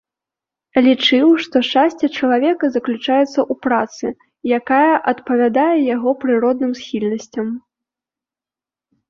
Лічыў, што шчасце чалавека заключаецца ў працы, якая адпавядае яго прыродным схільнасцям.